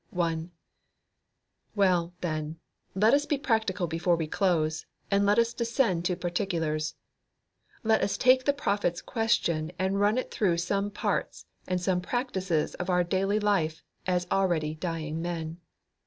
1. Well, then, let us be practical before we close, and let us descend to particulars. Let us take the prophet's question and run it through some parts and some practices of our daily life as already dying men.